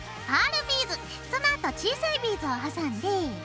パールビーズそのあと小さいビーズを挟んで。